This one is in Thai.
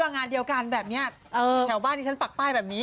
งานเดียวกันแบบนี้แถวบ้านที่ฉันปักป้ายแบบนี้